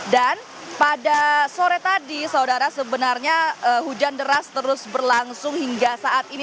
dan pada sore tadi saudara sebenarnya hujan deras terus berlangsung hingga saat ini